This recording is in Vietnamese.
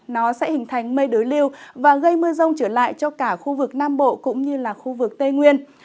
nó sẽ hình thành mây đới lưu và gây mưa rông trở lại cho cả khu vực nam bộ cũng như là khu vực tây nguyên